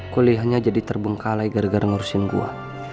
kuliahnya jadi terbengkalai gara gara ngurusin gue